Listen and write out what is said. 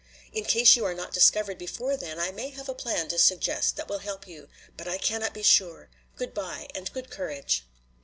"In case you are not discovered before then I may have a plan to suggest that will help you. But I cannot be sure. Good by and a good courage."